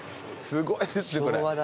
すごいですねこれ。